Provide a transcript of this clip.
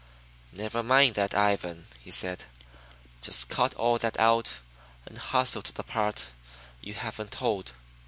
"Never mind that, Ivan," he said. "Just cut that all out and hustle to the part you haven't told."